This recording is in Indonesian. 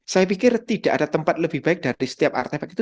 saya pikir tidak ada tempat lebih baik dari setiap artefak itu